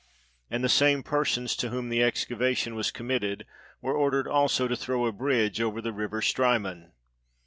And the same persons, to whom the excavation was committed, were ordered also to throw a bridge over the river Strymon.